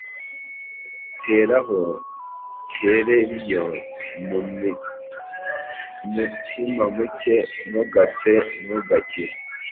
tereraho, tereriyo, mutimamuke ntugapfe, ntugakire